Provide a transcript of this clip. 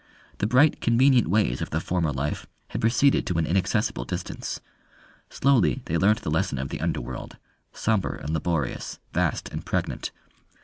The bright, convenient ways of the former life had receded to an inaccessible distance; slowly they learnt the lesson of the underworld sombre and laborious, vast and pregnant.